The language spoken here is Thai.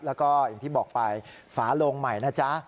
แล้วก็อย่างที่บอกไปฝาโลงใหม่นะจ๊ะ